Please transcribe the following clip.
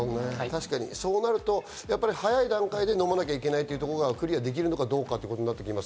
そうなると早い段階で飲まなきゃいけないというところがクリアできるのかというところになってきます。